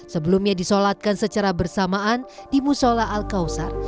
sebelumnya disolatkan secara bersamaan di musola al kausar